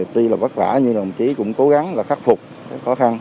tuy là vất vả nhưng đồng chí cũng cố gắng là khắc phục khó khăn